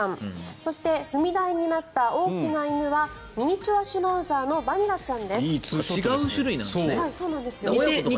そして踏み台になった大きな犬はミニチュアシュナウザーのバニラちゃんです。